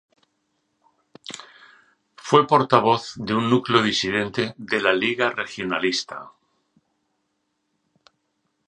Fue portavoz de un núcleo disidente de la Lliga Regionalista.